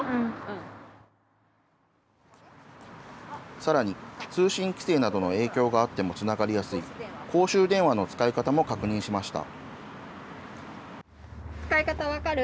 さらに、通信規制などの影響があってもつながりやすい、公衆電話の使い方も確認しました。